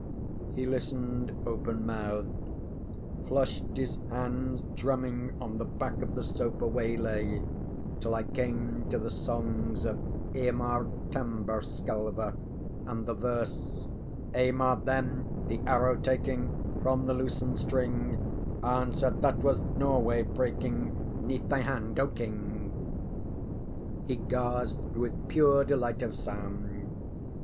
ŌĆØ He listened open mouthed, flushed his hands drumming on the back of the sofa where he lay, till I came to the Songs of Emar Tamberskelver and the verse: ŌĆ£Emar then, the arrow taking From the loosened string, Answered: ŌĆśThat was Norway breaking ŌĆśNeath thy hand, O King.ŌĆÖŌĆØ He gasped with pure delight of sound.